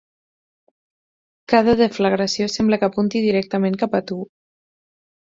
Cada deflagració sembla que apunti directament cap a tu